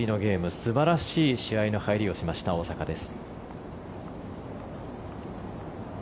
素晴らしい試合の入りをしました大坂です。